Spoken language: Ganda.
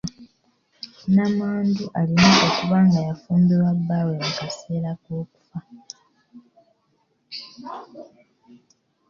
Namwandu alina okuba nga yafumbirwa bbaawe mu kaseera k'okufa.